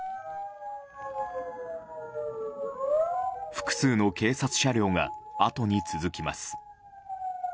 複数の警察車両があとに続きます。